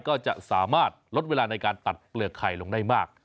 ก็จะสามารถลดเวลาในการตัดเปลือกไข่ลงได้มาก